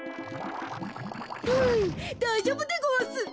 ふうだいじょうぶでごわす。